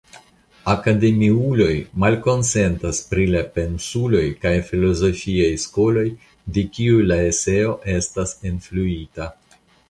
Akademiuloj malkonsentas pri la pensuloj kaj filozofiaj skoloj de kiuj la eseo estas influita.